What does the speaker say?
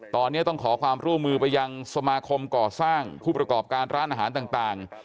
ตอนนี้ต้องขอความร่วมมือไปยังสมาคมก่อสร้างผู้ประกอบการร้านอาหารต่าง